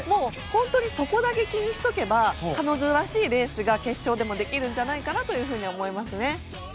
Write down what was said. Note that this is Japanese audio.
そこだけ気にしておけば彼女らしいレースが決勝でもできると思いますね。